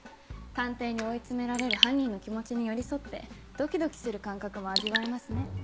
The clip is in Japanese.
探偵に追い詰められる犯人の気持ちに寄り添ってドキドキする感覚も味わえますね。